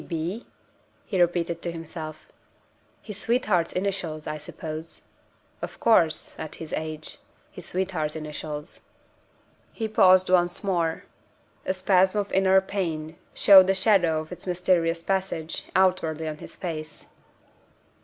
B.?" he repeated to himself. "His sweet heart's initials, I suppose? Of course at his age his sweetheart's initials." He paused once more. A spasm of inner pain showed the shadow of its mysterious passage, outwardly on his face.